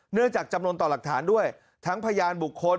จากจำนวนต่อหลักฐานด้วยทั้งพยานบุคคล